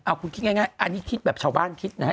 เอาคุณคิดง่ายอันนี้คิดแบบชาวบ้านคิดนะฮะ